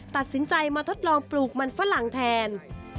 ตัดสินใจมาทดลองปลูกมันฝรั่งแทน